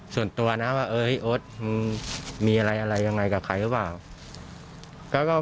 ส่วนตัวนะว่าโอ๊ตมีอะไรอะไรยังไงกับใครหรือเปล่า